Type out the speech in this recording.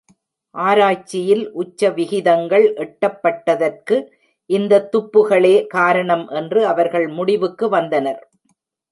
ஆராய்ச்சியில் உச்ச விகிதங்கள் எட்டப்பட்டதற்கு இந்த துப்புகளே காரணம் என்று அவர்கள் முடிவுக்கு வந்தனர்.